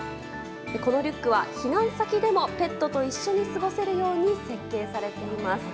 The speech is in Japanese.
このリュックは避難先でもペットと一緒に過ごせるように設計されています。